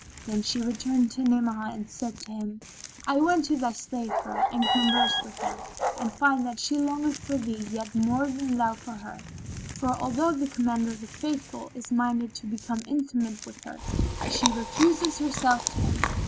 Then she returned to Ni'amah and said to him, "I went to thy slave girl and conversed with her, and I find that she longeth for thee yet more than thou for her; for although the Commander of the Faithful is minded to become intimate with her, she refuseth herself to him.